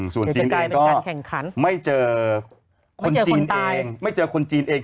ส่วนจีนเองก็จะกลายเป็นการแข่งขันไม่เจอไม่เจอคนจีนเอง